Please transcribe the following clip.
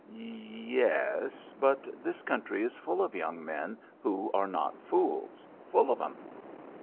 "Y yes, but this country is full of young men who are not fools. Full of 'em."